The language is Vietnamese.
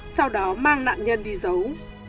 sau đó mang nạn nhân đi giấu